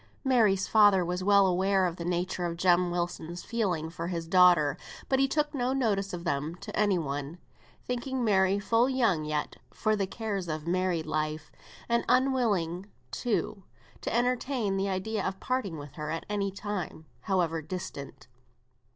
Mary's father was well aware of the nature of Jem Wilson's feelings for his daughter, but he took no notice of them to any one, thinking Mary full young yet for the cares of married life, and unwilling, too, to entertain the idea of parting with her at any time, however distant.